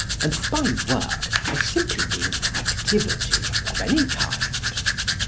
And by work I simply mean activity of any kind.